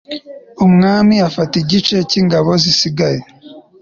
umwami afata igice cy'ingabo zisigaye